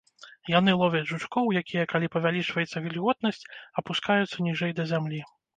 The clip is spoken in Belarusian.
Яны ловяць жучкоў, якія, калі павялічваецца вільготнасць, апускаюцца ніжэй да зямлі.